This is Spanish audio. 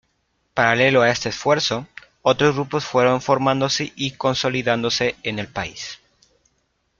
Paralelo a este esfuerzo, otros grupos fueron formándose y consolidándose en el país.